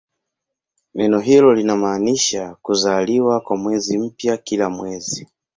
Neno hilo linamaanisha "kuzaliwa" kwa mwezi mpya kila mwezi.